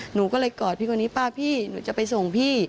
หนูก็เลยกอดพี่คนนี้ป้าพี่หนูจะไปส่งพี่